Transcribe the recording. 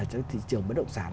trong thị trường bất động sản